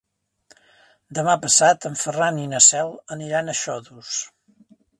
Demà passat en Ferran i na Cel aniran a Xodos.